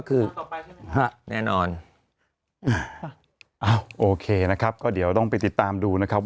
คือฮะแน่นอนอ่าโอเคนะครับก็เดี๋ยวต้องไปติดตามดูนะครับ